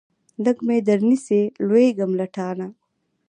لږ مې درنیسئ لوېږم له ټاله